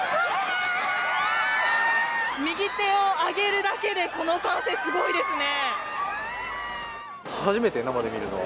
右手を上げるだけでこの歓声、すごいですね。